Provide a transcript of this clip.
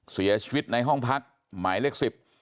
เสียชีวิตในห้องพักหมายเลข๑๐